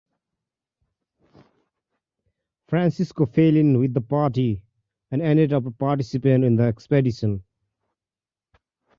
Francisco fell in with the party, and ended up a participant in the expedition.